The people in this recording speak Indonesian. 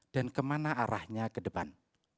dan kemana arahnya ke depan